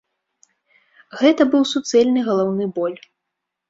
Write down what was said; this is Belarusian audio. Гэта быў суцэльны галаўны боль.